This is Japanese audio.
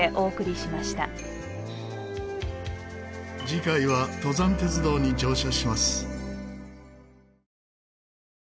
次回は登山鉄道に乗車します。